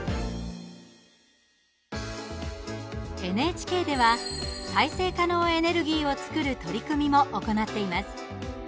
ＮＨＫでは再生可能エネルギーを作る取り組みも行っています。